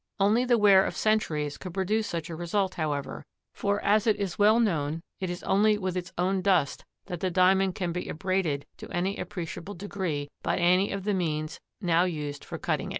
Only the wear of centuries could produce such a result, however, for, as is well known, it is only with its own dust that the Diamond can be abraded to any appreciable degree by any of the means now used for cutting it.